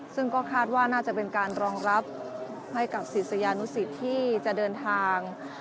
ซึ่งก็คาดว่าน่าจะเป็นการรองรับให้กับศิษยานุสิตที่จะเดินทาง